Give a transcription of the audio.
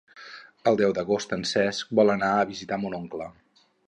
El deu d'agost en Cesc vol anar a visitar mon oncle.